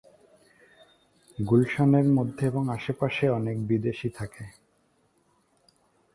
তিনি কোপেনহেগেনে জন্মগ্রহণ করেছিলেন।